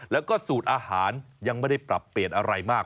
แล้วก็สูตรอาหารยังไม่ได้ปรับเปลี่ยนอะไรมาก